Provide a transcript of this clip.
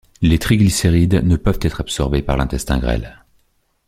Les triglycérides ne peuvent être absorbés par l'intestin grêle.